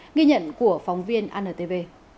nghi nhận của phóng viên antv